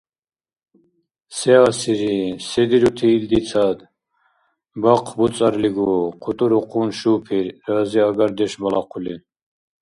— Се асири? Се дирути илдицад? Бахъ буцӀарлигу, — хъутурухъун шупир, разиагардеш балахъули.